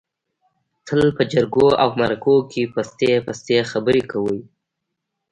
تل په جرگو او مرکو کې پستې پستې خبرې کوي.